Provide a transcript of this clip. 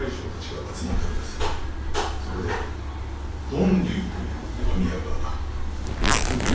そこで呑龍という拝み屋がお告げを。